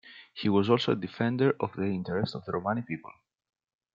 He was also a defender of the interests of the Romani people.